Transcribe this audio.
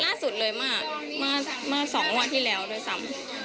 ล่าสุดเลยมา๒วันที่แล้วด้วยซ้ำ